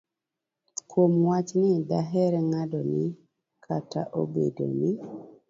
Kuom wachni, daher ng'ado ni kata obedo ni